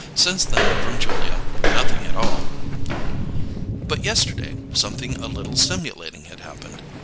Since then from Julia nothing at all! But yesterday something a little stimulating had happened.